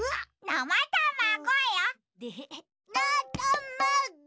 なたまご。